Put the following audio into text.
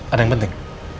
ada yang penting